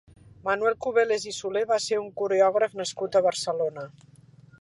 Manuel Cubeles i Solé va ser un coreògraf nascut a Barcelona.